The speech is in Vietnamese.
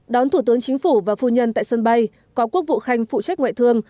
đón thủ tướng chính phủ và phu nhân tại sân bay có quốc vụ khanh phụ trách ngoại thương